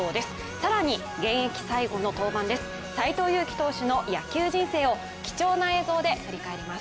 更に現役最後の登板です、斎藤佑樹投手の野球人生を貴重な映像で振り返ります。